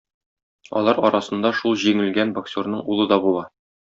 Алар арасында шул җиңелгән боксерның улы да була.